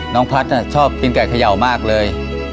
พัฒน์ชอบกินไก่เขย่ามากเลย